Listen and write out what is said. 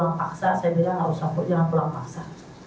kami mengatakan bahwa kalau mau pulang paksa jangan pulang paksa